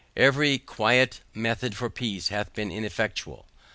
Every quiet method for peace hath been ineffectual.